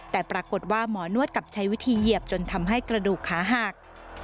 แต่ปรากฏว่าหมอนวดกลับใช้วิธีเหยียบจนทำให้กระดูกขาหัก